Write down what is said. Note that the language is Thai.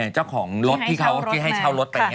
เจ้าของรถที่เขาให้เช่ารถแต่อย่างนี้